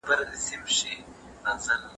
سرسید خان د عصري تعلیم غوښتونکی و.